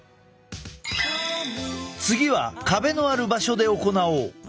次は壁のある場所で行おう。